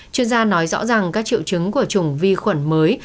chuyên gia nói rõ rằng các triệu chứng của chủng vi khuẩn mới